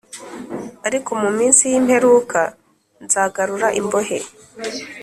Ariko mu minsi y imperuka nzagarura imbohe